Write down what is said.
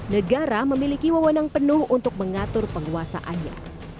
negara memiliki wewenang penuh untuk mengatur penguasaannya